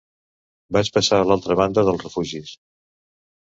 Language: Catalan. Vaig passar a l'altra banda dels refugis